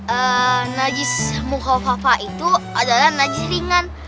eee najis mukhawafa itu adalah najis ringan